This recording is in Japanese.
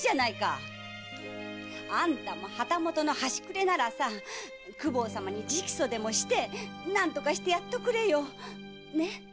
あんたも旗本の端くれなら公方様に直訴でもして何とかしてやっておくれよね？